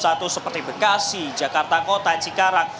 satu seperti bekasi jakarta kota cikarang